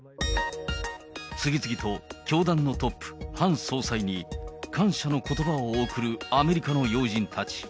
次々と教団のトップ、ハン総裁に感謝のことばを贈るアメリカの要人たち。